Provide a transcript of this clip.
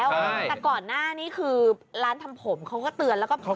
แต่ก่อนหน้านี้คือร้านทำผมเขาก็เตือนแล้วก็